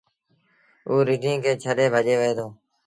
اوٚ رڍينٚ کي ڇڏي ڀڄي وهي دو۔